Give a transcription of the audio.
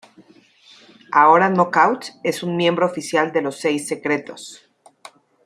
Ahora, Knockout es un miembro oficial de los Seis Secretos.